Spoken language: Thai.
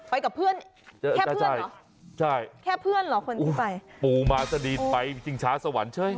ไปกับเพื่อนแค่เพื่อนเหรอใช่แค่เพื่อนเหรอคนที่ไปปู่มาสดีไปชิงช้าสวรรค์ใช่ไหม